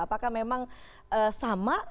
apakah memang sama